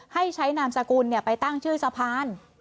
ให้ใช้นามสกุลไปตั้งชื่อสะพาน